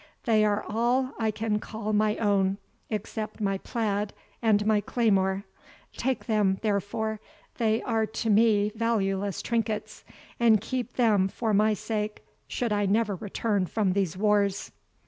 They are all I can call my own, except my plaid and my claymore. Take them, therefore they are to me valueless trinkets and keep them for my sake should I never return from these wars."